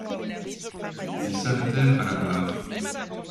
Ils s’arrêtèrent à la barre.